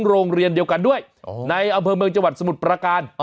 โรงเรียนเดียวกันด้วยในอาเผิงบริเวณจวัดสมุทรประกาศ